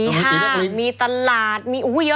มีห้ามีตลาดเยอะมาก